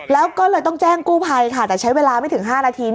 แล้วก็เลยต้องแจ้งกู้ภัยค่ะแต่ใช้เวลาไม่ถึง๕นาที